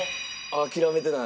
諦めてない。